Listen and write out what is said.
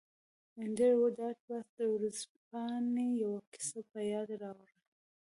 انډریو ډاټ باس د ورځپاڼې یوه کیسه په یاد راوړه